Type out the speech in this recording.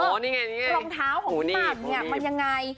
รองเท้าของพี่หม่ำเนี่ยมันยังไง